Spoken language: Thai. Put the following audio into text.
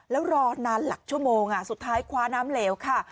แล้วรอนานหลักชั่วโมงสุดท้ายคว้าน้ำเหลวค่ะ